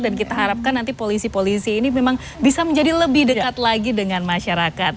kita harapkan nanti polisi polisi ini memang bisa menjadi lebih dekat lagi dengan masyarakat